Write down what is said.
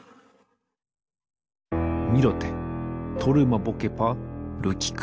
ミロテトルマボケパルキク。